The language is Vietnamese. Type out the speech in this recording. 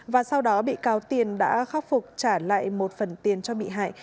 và sau đó bị cáo tiền đã khắc phục trả lại một phần tiền cho bị hại